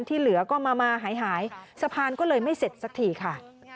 ที่เหลือก็มาหายสะพานก็เลยไม่เสร็จสักทีค่ะ